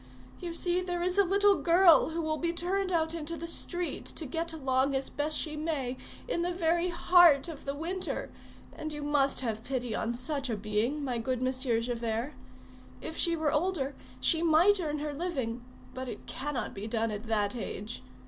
You see, there is a little girl who will be turned out into the street to get along as best she may, in the very heart of the winter; and you must have pity on such a being, my good Monsieur Javert. If she were older, she might earn her living; but it cannot be done at that age.